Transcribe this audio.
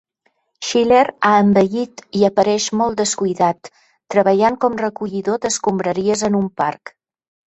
Schiller ha envellit i apareix molt descuidat, treballant com recollidor d'escombraries en un parc.